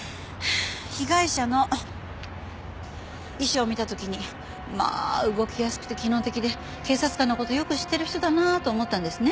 被害者の衣装を見た時にまあ動きやすくて機能的で警察官の事よく知ってる人だなと思ったんですね。